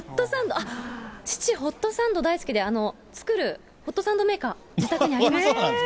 あっ、父、ホットサンド大好きで、作る、ホットサンドメーカー、自宅にあります。